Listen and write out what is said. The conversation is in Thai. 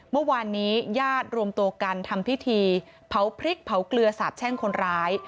ญาติญาติรวมตัวกันทำพิธีเผาพริกเผาเกลือสาบแช่งคนร้าย